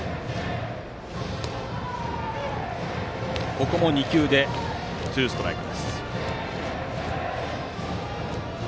ここも２球でツーストライク。